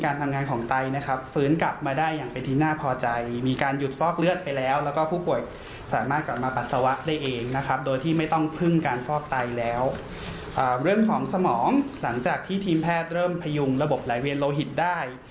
เรื่องของสมองหลังจากที่ทีมแพทย์เริ่มพยุงระบบหลายเวียนโลหิตได้